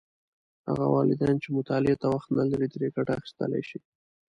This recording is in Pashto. هغه والدین چې مطالعې ته وخت نه لري، ترې ګټه اخیستلی شي.